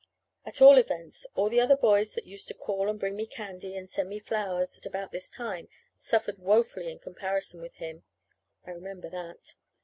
At all events, all the other boys that used to call and bring me candy and send me flowers at about this time suffered woefully in comparison with him! I remember that.